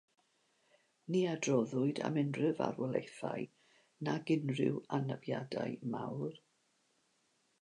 Ni adroddwyd am unrhyw farwolaethau nac unrhyw anafiadau mawr.